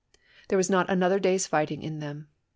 There was not another day's fighting in them.